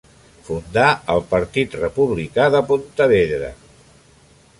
Fundà el Partit Republicà de Pontevedra.